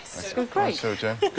はい。